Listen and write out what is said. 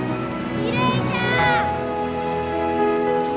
きれいじゃのう！